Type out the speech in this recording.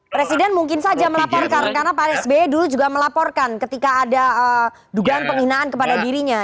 presiden mungkin saja melaporkan karena pak sby dulu juga melaporkan ketika ada dugaan penghinaan kepada dirinya